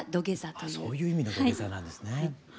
あそういう意味の土下座なんですね。